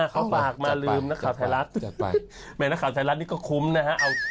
เขาฝากมาลืมนักข่าวไทยรัฐจัดไปแม่นักข่าวไทยรัฐนี่ก็คุ้มนะฮะ